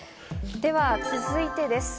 では続いてです。